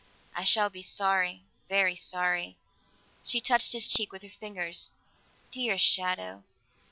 I shall be sorry, very sorry." She touched his cheek with her fingers. "Dear shadow!"